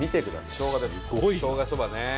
しょうがそばね。